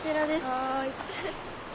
はい。